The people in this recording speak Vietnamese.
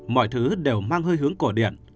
mọi thứ đều mang hơi hướng cổ điện